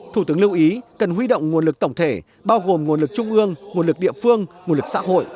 thủ tướng lưu ý cần huy động nguồn lực tổng thể bao gồm nguồn lực trung ương nguồn lực địa phương nguồn lực xã hội